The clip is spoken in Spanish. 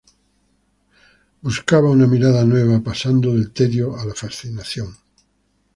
Buscaba una mirada nueva, pasando del tedio a la fascinación.